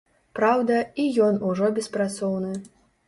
Праўда, і ён ужо беспрацоўны.